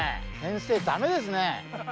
先生、だめですね。